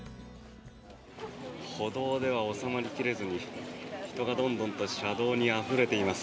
歩道では収まり切れずに人がどんどんと車道にあふれています。